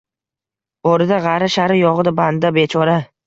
Borida g’arra-sharra, yo'g’ida banda bechora.